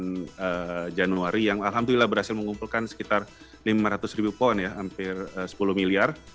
dan januari yang alhamdulillah berhasil mengumpulkan sekitar lima ratus ribu poin ya hampir sepuluh miliar